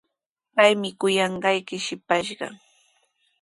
Paymi kuyanqayki shipashqa.